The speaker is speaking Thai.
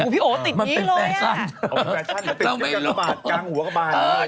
พี่โอ๋ติดนี้เลยอะ